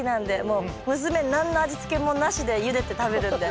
もう娘何の味付けもなしでゆでて食べるんで。